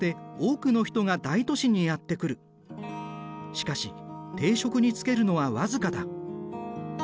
しかし定職に就けるのは僅かだ。